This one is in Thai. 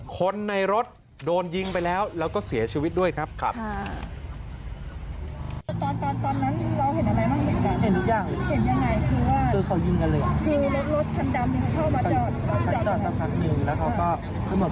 คนในรถโดนยิงไปแล้วแล้วก็เสียชีวิตด้วยครับ